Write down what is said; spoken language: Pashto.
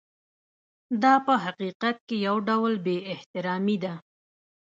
دا په حقیقت کې یو ډول بې احترامي ده.